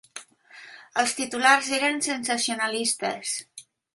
Els titulars eren sensacionalistes.